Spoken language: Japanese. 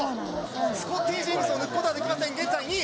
スコッティ・ジェームズを抜くことはできません、現在２位。